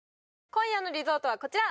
今夜のリゾートはこちら！